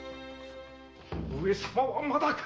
上様はまだか！